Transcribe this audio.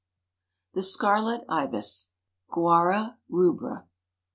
] THE SCARLET IBIS. (_Guara rubra.